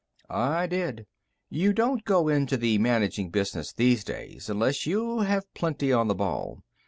I did. You don't go into the managing business these days unless you have plenty on the ball.